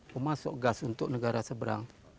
pemasok gas untuk negara seberang